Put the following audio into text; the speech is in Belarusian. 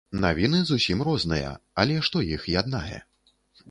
Навіны зусім розныя, але што іх яднае?